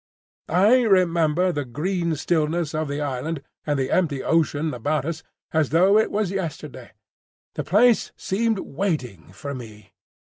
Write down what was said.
I remember the green stillness of the island and the empty ocean about us, as though it was yesterday. The place seemed waiting for me.